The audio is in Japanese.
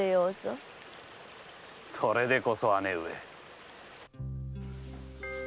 それでこそ姉上。